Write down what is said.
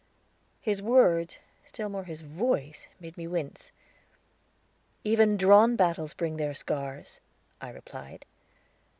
His words, still more his voice, made we wince. "Even drawn battles bring their scars," I replied.